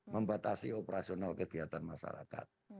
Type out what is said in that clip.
membatasi operasional kegiatan masyarakat